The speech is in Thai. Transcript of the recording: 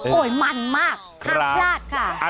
โอ้โหมันมากห้ามพลาดค่ะ